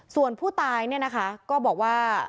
ส่วนผู้ตายเนี่ยนะคะก็บอกว่า